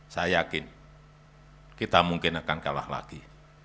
saya yakin kita mungkin akan kalah lagi